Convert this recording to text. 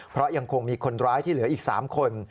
เพราะยังคงมีคนร้ายที่เหลืออีก๓คน